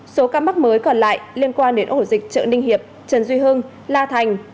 số ca mắc mới còn lại liên quan đến ổ dịch chợ ninh hiệp trần duy hưng la thành